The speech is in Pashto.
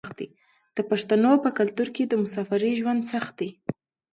د پښتنو په کلتور کې د مسافرۍ ژوند سخت دی.